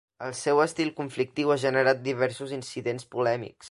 El seu estil conflictiu ha generat diversos incidents polèmics.